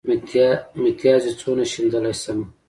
متيازې څونه شيندلی شمه.